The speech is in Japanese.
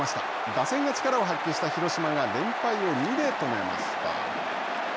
打線が力を発揮した広島が連敗を２で止めました。